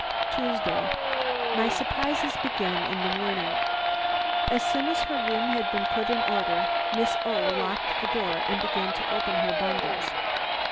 "Tuesday. "My surprises began in the morning. As soon as her room had been put in order, Miss O. locked the door and began to open her bundles.